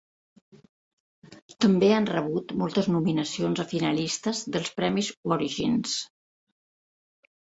També han rebut moltes nominacions a finalistes dels premis Origins.